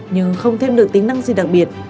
nhưng không thêm được tính năng gì đặc biệt